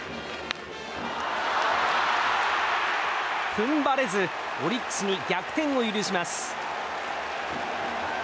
踏ん張れずオリックスに逆転を許します。